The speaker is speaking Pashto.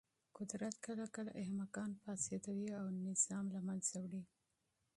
قدرت کله کله احمقان فاسدوي او نظام له منځه وړي.